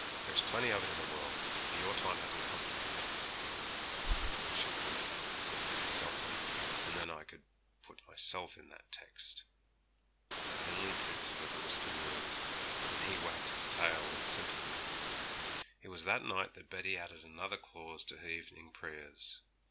There is plenty of it in the world, but your time hasn't come for it yet.' 'I wish it would come,' said Betty softly, 'and then I could put myself in that text.' But only Prince heard the whispered words, and he wagged his tail in sympathy. It was that night that Betty added another clause to her evening prayers.